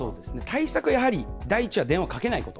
対策はやはり第一は、電話をかけないこと。